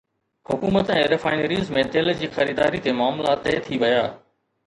حڪومت ۽ ريفائنريز ۾ تيل جي خريداري تي معاملا طئي ٿي ويا